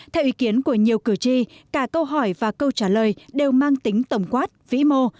theo ý kiến của nhiều cử tri cả câu hỏi và câu trả lời đều mang tính tổng quát vĩ mô